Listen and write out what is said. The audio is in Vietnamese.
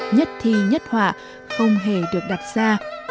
nhất thi nhất họa không hề được đặt ra